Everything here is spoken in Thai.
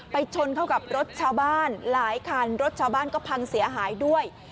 ชนเข้ากับรถชาวบ้านหลายคันรถชาวบ้านก็พังเสียหายด้วย